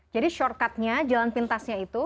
jadi shortcut nya jalan pintasnya itu